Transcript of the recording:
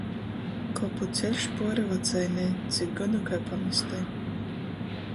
Kopu ceļš puori vacainei – cik godu kai pamastai.